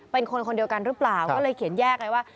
เป็นคนคนเดียวกันหรือเปล่าก็เลยเขียนแยกไงว่า